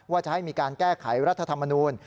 ว่าจะให้มีการแก้ไขรัฐธรรมนูล